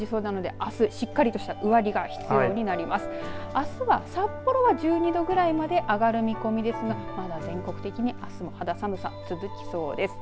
あすは札幌は１２度ぐらいまで上がる見込みですが全国的にあすも肌寒さ、続きそうです。